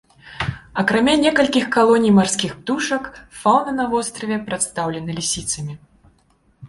Акрамя некалькіх калоній марскіх птушак, фаўна на востраве прадстаўлена лісіцамі.